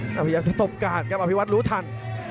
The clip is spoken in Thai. แต่พยายามจะตบการครับอภิวัตรรู้ทัน